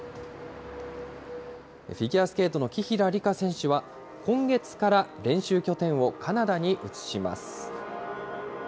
フィギュアスケートの紀平梨花選手は、今月から練習拠点をカナダに移します。